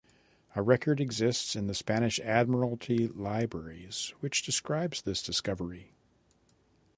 A record exists in the Spanish Admiralty libraries which describes this discovery.